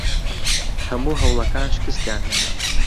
هەموو هەوڵەکان شکستیان هێنا.